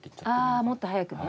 あもっと早くね。